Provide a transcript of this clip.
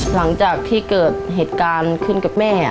หลังจากที่เกิดเหตุการณ์ขึ้นกับแม่